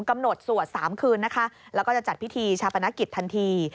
กำหนดสวด๓คืนแล้วก็จะจัดพิธีชาพนักกิจทันที